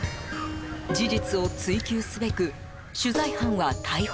事実を追及すべく取材班は逮捕